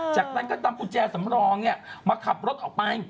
จากนั้นก็นำกุญแจสำรองมาขับรถออกไป